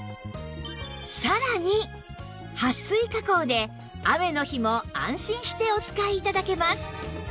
さらにはっ水加工で雨の日も安心してお使い頂けます